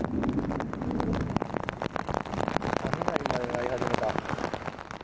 雷まで鳴り始めた。